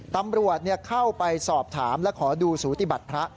ตำรวจเข้าไปสอบถามและขอดูสูติบัติพระ